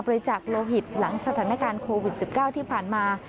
บริจาคโลหิตหลังสถานการณ์โควิด๑๙ที่ผ่านมา